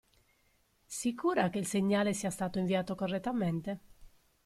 Sicura che il segnale sia stato inviato correttamente?